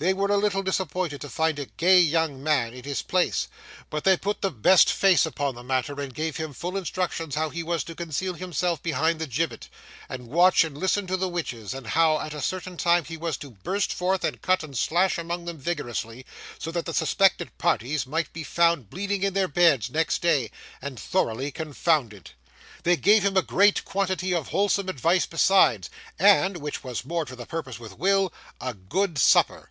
They were a little disappointed to find a gay young man in his place; but they put the best face upon the matter, and gave him full instructions how he was to conceal himself behind the gibbet, and watch and listen to the witches, and how at a certain time he was to burst forth and cut and slash among them vigorously, so that the suspected parties might be found bleeding in their beds next day, and thoroughly confounded. They gave him a great quantity of wholesome advice besides, and—which was more to the purpose with Will—a good supper.